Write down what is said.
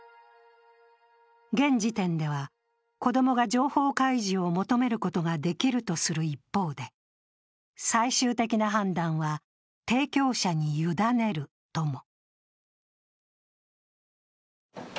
現時点では、子供が情報開示を求めることができるとする一方で、最終的な判断は提供者に委ねるとも。